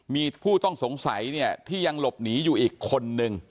มีผู้ต้องสงสัยเนี่ยที่ยังหลบหนีอยู่อีกคนนึง